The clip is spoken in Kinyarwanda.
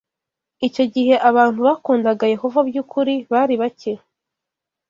icyo gihe abantu bakundaga Yehova by’ukuri bari bake cyane